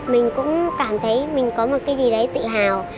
mình cũng cảm thấy mình có một cái gì đấy tự hào